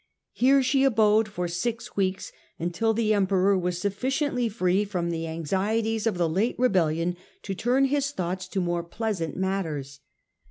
Here she abode for six weeks, until the Emperor was sufficiently free from the anxieties of the late rebellion to turn his thoughts to more pleasant matters.